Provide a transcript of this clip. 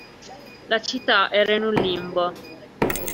La città era in un limbo.